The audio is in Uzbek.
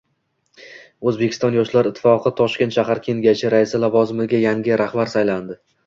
O‘zbekiston Yoshlar ittifoqi Toshkent shahar kengashi raisi lavozimiga yangi rahbar saylandi